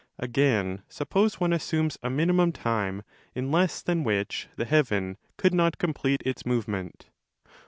Again, suppose one assumes a minimum time in less than which the heaven could not complete its move ment.